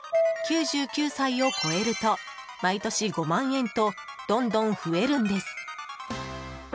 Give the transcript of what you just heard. ９９歳を超えると毎年５万円とどんどん増えるんです。